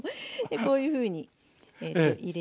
こういうふうに入れてですね